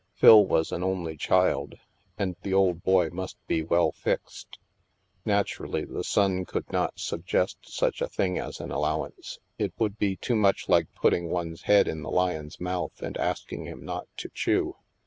Phil was an only child, and the old boy must be well fixed. Naturally, the son could not suggest such a thing as an allowance ; it would be too much like putting one's head in the lion's mouth and asking him not to chew.